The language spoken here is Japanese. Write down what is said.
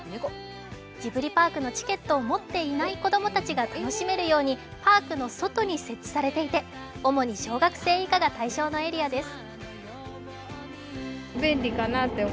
ジブリパークのチケットを持っていない子供たちが楽しめるようにパークの外に設置されていて主に小学生以下が対象のようです。